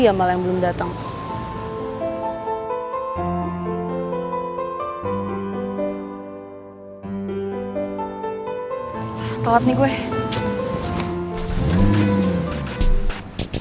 saudaranya ini tinggal tiga jam